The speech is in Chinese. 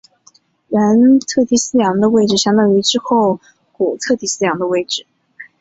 原特提斯洋的位置相当于之后古特提斯洋的位置。